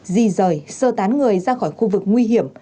di rời sơ tán người ra khỏi khu vực nguy hiểm